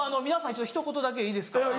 皆さんにひと言だけいいですか。